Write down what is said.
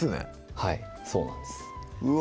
はいそうなんですうわ